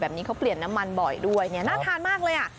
แบบนี้เขาเปลี่ยนน้ำมันบ่อยด้วยเนี่ยน่าทานมากเลยอ่ะ